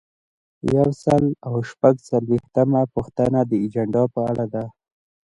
یو سل او شپږ څلویښتمه پوښتنه د اجنډا په اړه ده.